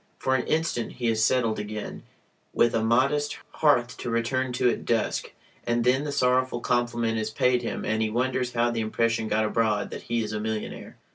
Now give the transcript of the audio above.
For an instant he is settled again, with a modest hearth to return to at dusk ... and then the sorrowful compliment is paid him and he wonders how the impression got abroad that he is a millionaire.